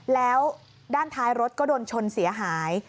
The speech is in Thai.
แล้วด้านท้ายรถก็โดนชนเสียหาย